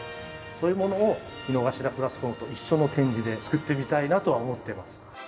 そういうものをイノカシラフラスコモと一緒の展示で作ってみたいなとは思ってます。